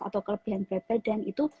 atau kelebihan berat badan itu